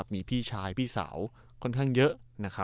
มีพี่ชายพี่สาวค่อนข้างเยอะ